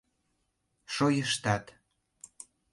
Шойыштат!